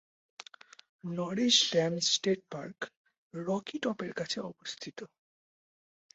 Norris Dam State Park Rocky টপের কাছে অবস্থিত।